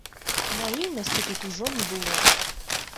Наіўнасці тут ужо не было.